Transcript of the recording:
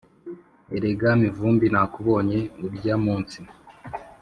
erega mivumbi nakubonye urya munsi